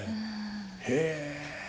へえ。